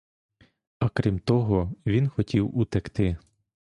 А крім того, він хотів утекти.